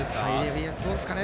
どうですかね。